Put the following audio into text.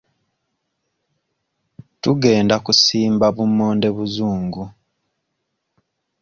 Tugenda kusimba bummonde buzungu.